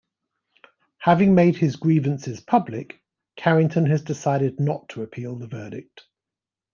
Having made his grievances public, Carrington has decided not to appeal the verdict.